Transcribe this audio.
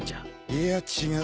いや違う。